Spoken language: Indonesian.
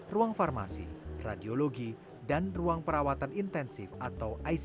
ruang farmasi radiologi dan ruang perawatan intensif atau icu